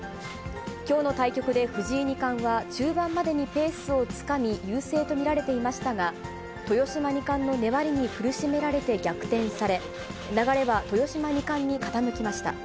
きょうの対局で藤井二冠は中盤までにペースをつかみ、優勢と見られていましたが、豊島二冠の粘りに苦しめられて逆転され、流れは豊島二冠に傾きました。